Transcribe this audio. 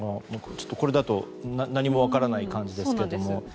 これだと何も分からない感じですけども。